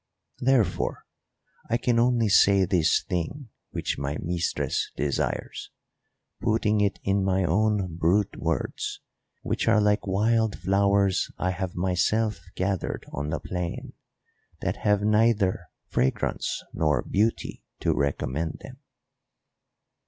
Therefore I can only say this thing which my mistress desires, putting it in my own brute words, which are like wild flowers I have myself gathered on the plain, that have neither fragrance nor beauty to recommend them."